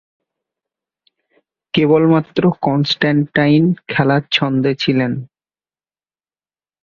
কেবলমাত্র কনস্ট্যান্টাইন খেলার ছন্দে ছিলেন।